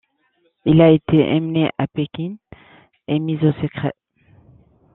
Il a été emmené à Pékin et mis au secret.